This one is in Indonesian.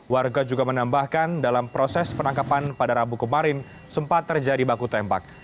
warga juga menambahkan dalam proses penangkapan pada rabu kemarin sempat terjadi baku tembak